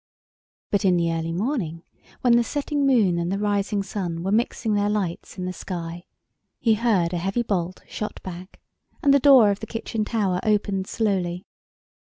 But in the early morning, when the setting moon and the rising sun were mixing their lights in the sky, he heard a heavy bolt shot back, and the door of the kitchen tower opened slowly.